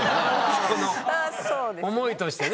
そこの思いとしてね。